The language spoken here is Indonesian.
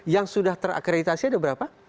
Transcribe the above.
yang sudah terakreditasi ada berapa